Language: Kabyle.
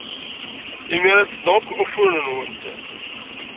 Imir-a, ssneɣ akk ufuren-nwent!